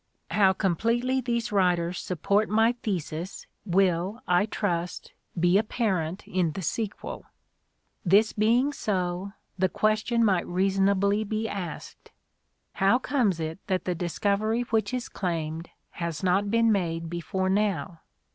How completely these writers support my thesis, will I trust be apparent in the sequel. This being so, the question might reasonably be asked : how comes it that the discovery which is claimed has not been made before now